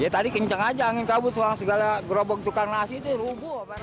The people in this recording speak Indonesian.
ya tadi kencang aja angin kabut soal segala gerobok tukang nasi itu rubuh